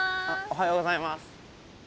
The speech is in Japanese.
おはようございます。